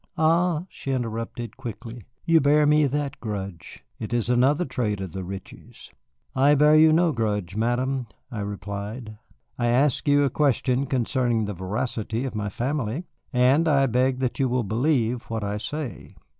"Ah," she interrupted quickly, "you bear me that grudge. It is another trait of the Ritchies." "I bear you no grudge, Madame," I replied. "I asked you a question concerning the veracity of my family, and I beg that you will believe what I say."